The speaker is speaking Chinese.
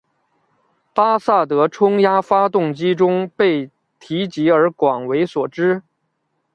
巴萨德冲压发动机中被提及而广为所知。